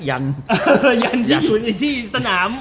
ยันที่อยู่ที่สนาม